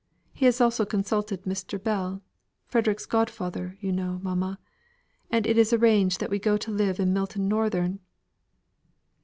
He has also consulted Mr. Bell Frederick's godfather, you know, mamma; and it is arranged that we go to live at Milton Northern."